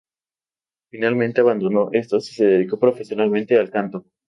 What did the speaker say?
Finalmente, abandonó estos y se dedicó profesionalmente al canto.